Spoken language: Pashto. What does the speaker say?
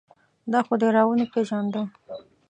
دا خو دې را و نه پېژانده.